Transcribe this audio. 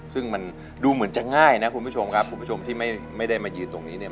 ซึ่งมันดูเหมือนจะง่ายนะคุณผู้ชมครับคุณผู้ชมที่ไม่ได้มายืนตรงนี้เนี่ย